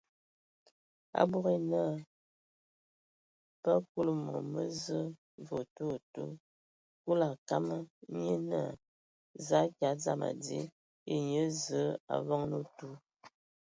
Abog yǝ naa bə akuli mom mə Zəə vǝ otu otu Kulu a kama, nye naa: Za akyaɛ, dzam adi! Ye nyia Zǝə a avoŋan otu?